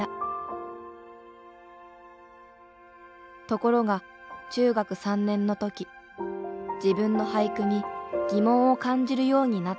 ところが中学３年の時自分の俳句に疑問を感じるようになった。